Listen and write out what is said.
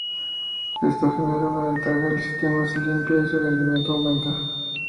Esto genera una ventaja: el sistema se limpia y su rendimiento aumenta.